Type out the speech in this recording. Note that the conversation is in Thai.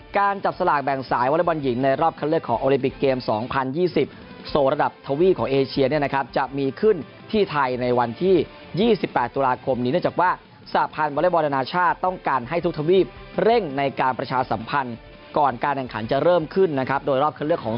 การจับสลากแบ่งสายวอเล็กบอลหญิงในรอบคัดเลือกของโอลิมปิกเกม๒๐๒๐